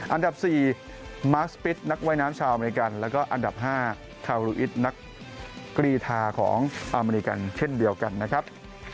อันดับ๔มาร์คสปิตนักว่ายน้ำชาวอเมริกันแล้วก็อันดับ๕คารูอิตนักกรีธาของอเมริกันเช่นเดียวกันนะครับ